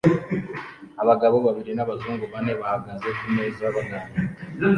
Abagabo babiri n'abazungu bane bahagaze kumeza baganira